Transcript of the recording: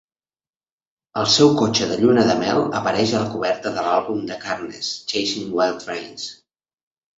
El seu cotxe de lluna de mel apareix a la coberta de l'àlbum de Carnes, "Chasin' Wild Trains".